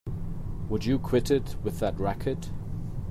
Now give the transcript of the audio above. Would you quit it with that racket!